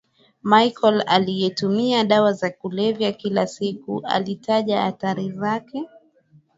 Michael aliyetumia dawa za kulevya kila siku alitaja athari zake